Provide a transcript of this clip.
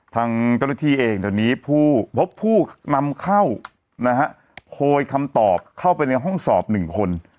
ทางกรณีที่เองตอนนี้ผู้พบผู้นำเข้านะฮะโคยคำตอบเข้าไปในห้องสอบหนึ่งคน